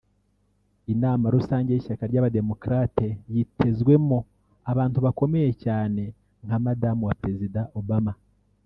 Inama rusange y’ishyaka ry’Abademocrates yitezwemo abantu bakomeye cyane nka Madamu wa Perezida Obama